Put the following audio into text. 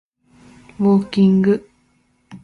Walking.